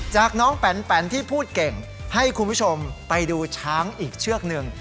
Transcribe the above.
จากน้องแปนที่พูดเก่งให้คุณผู้ชมไปดูช้างอีกเชือกหนึ่ง